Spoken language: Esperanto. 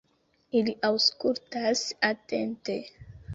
Ili aŭskultas atente.